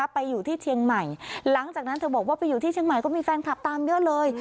ไปอยู่ที่เชียงใหม่หลังจากนั้นเธอบอกว่าไปอยู่ที่เชียงใหม่ก็มีแฟนคลับตามเยอะเลย